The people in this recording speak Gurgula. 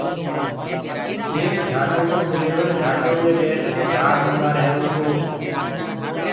ايڪ جھآجو ڪو ڊليورَ جھآجو مي ٻيٺڪي جھآج اُڏآهيروَ تو